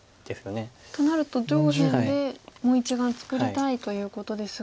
となると上辺でもう１眼作りたいということですが。